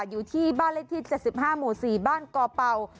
อยู่ที่บ้านเลขที่๗๕หมู่๔บ้านกอเป่า